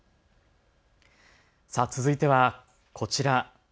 続いてはこちら。